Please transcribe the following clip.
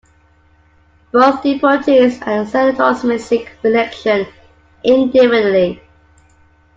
Both deputies and senators may seek reelection indefinitely.